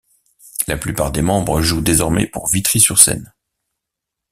La plupart des membres jouent désormais pour Vitry-sur-Seine.